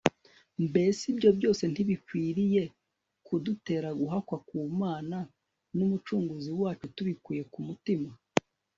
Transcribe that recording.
mbes ibyo byose ntibikwiriye kudutera guhakwa ku Mana nUmucunguzi wacu tubikuye ku mutima